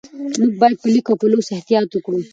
موږ باید په لیک او لوست کې احتیاط وکړو